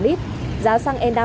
thì đường xăng lại đông quá